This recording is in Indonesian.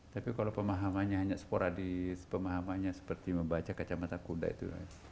tapi kalau pemahamannya hanya sporadis pemahamannya seperti membaca kacamata kuda itu